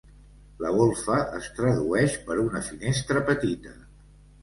La golfa es tradueix per una finestra petita.